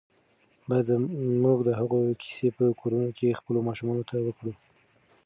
باید موږ د هغوی کیسې په کورونو کې خپلو ماشومانو ته وکړو.